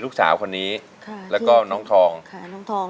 ลูกสาวคนนี้แล้วก็น้องทอง